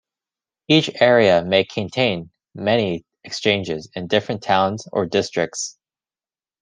Each area may contain many exchanges in different towns or districts.